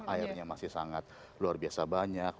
airnya masih sangat luar biasa banyak